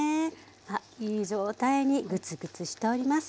あっいい状態にグツグツしております。